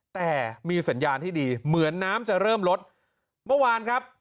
แต่มีสัญญาณที่ดีเหมือนน้ำจะเริ่มลดเมื่อวานครับ